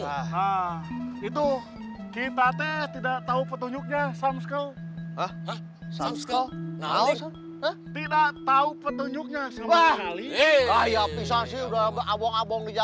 nah itu kita tidak tahu petunjuknya